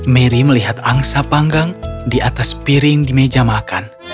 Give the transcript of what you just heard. mary melihat angsa panggang di atas piring di meja makan